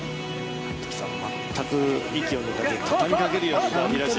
全く息を抜かず畳みかけるように。